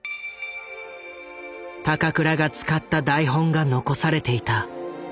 高倉が使った台本が残されていた。